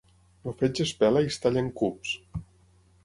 El fetge es pela i es talla en cubs.